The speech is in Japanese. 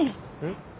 ん？